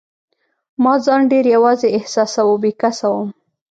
ما ځان ډېر یوازي احساساوه، بې کسه وم.